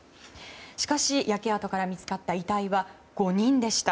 しかし、焼け跡から見つかった遺体は５人でした。